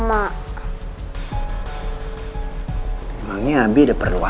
ibu kamu harus ngambek nah baru sama gue